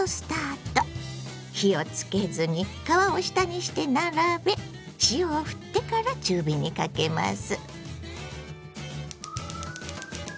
火をつけずに皮を下にして並べ塩をふってから中火にかけます。